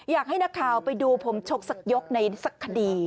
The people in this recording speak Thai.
อยากให้นักข่าวไปดูผมชกสักยกในสักคดี